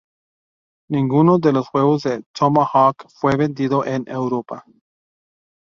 Ninguno de los juegos de Tomahawk fue vendido en Europa.